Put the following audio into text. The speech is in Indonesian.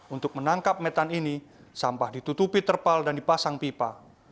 untuk menangkap metan ini sampah ditutupi terpal dan dipasang pipa